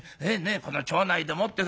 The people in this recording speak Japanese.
この町内でもってさ。